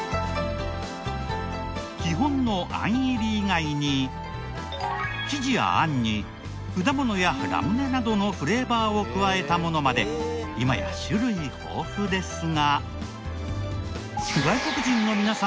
基本の生地やあんに果物やラムネなどのフレーバーを加えたものまで今や種類豊富ですが。